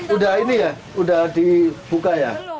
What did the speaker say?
udah ini ya udah dibuka ya